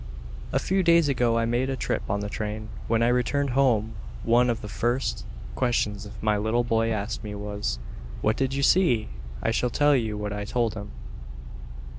A few days ago I made a trip on the train. When I returned home one of the first questions my little boy asked me was, "What did you see?" I shall tell you what I told him.